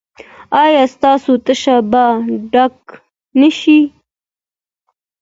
ایا ستاسو تشه به ډکه نه شي؟